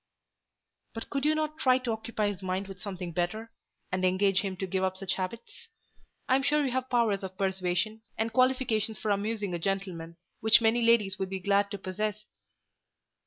"But could you not try to occupy his mind with something better; and engage him to give up such habits? I'm sure you have powers of persuasion, and qualifications for amusing a gentleman, which many ladies would be glad to possess."